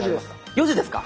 ４時ですか！